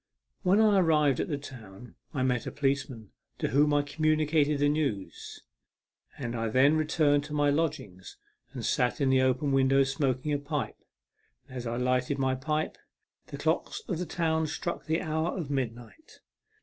When I arrived at the town I met a policeman, to whom I communicated the news, and I then returned to my lodgings and sat in the open window smoking a pipe, and as I lighted my pipe the clocks in the town struck the hour of mid night.